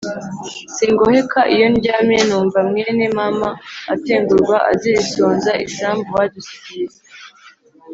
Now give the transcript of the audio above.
Singoheka iyo ndyamye Numva mwene mama Atengurwa azira isonza Isambu badusigiye